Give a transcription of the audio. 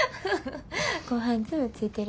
ごはん粒ついてる。